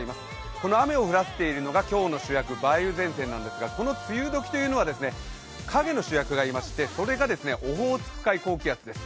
この雨を降らせているのが今日の主役、梅雨前線なんですがこの梅雨時というのは影の主役がいましてそれがオホーツク海高気圧です。